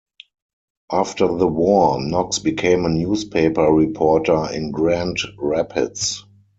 After the war, Knox became a newspaper reporter in Grand Rapids.